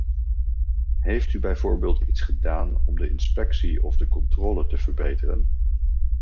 Heeft u bijvoorbeeld iets gedaan om de inspectie of de controle te verbeteren?